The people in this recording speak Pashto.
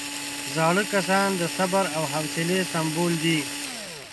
زاړه کسان د صبر او حوصلې سمبول دي